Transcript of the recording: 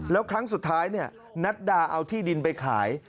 แล้วครั้งสุดท้ายนัดดาเอาที่ดินไปขาย